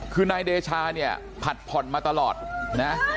คือนายเดชาเนี่ยผัดผ่อนมาตลอดนะ